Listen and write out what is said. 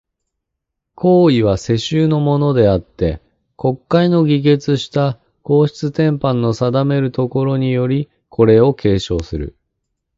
皇位は、世襲のものであつて、国会の議決した皇室典範の定めるところにより、これを継承する。